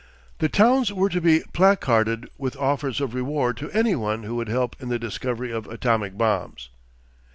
The towns were to be placarded with offers of reward to any one who would help in the discovery of atomic bombs....